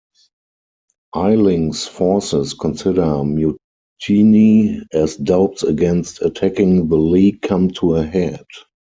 Eiling's forces consider mutiny as doubts against attacking the League come to a head.